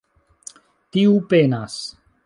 Tiu penas.